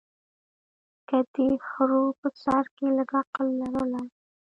که دې خرو په سر کي لږ عقل لرلای